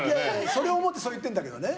それを思ってそう言ってるんだけどね。